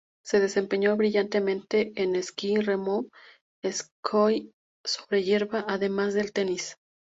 Se desempeñó brillantemente en esquí, remo y hockey sobre hierba, además del tenis.